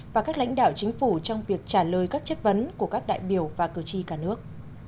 và các lãnh đạo chính phủ trong việc trả lời các chất vấn của các đại biểu và cử tri cả nước